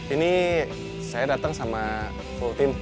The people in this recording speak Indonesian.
ini saya datang sama full team